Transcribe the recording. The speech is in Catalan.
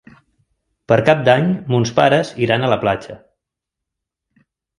Per Cap d'Any mons pares iran a la platja.